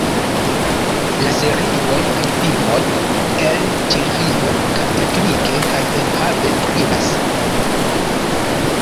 La serioj kaj filmoj el Ĉeĥio kaj teknike kaj enhave brilas.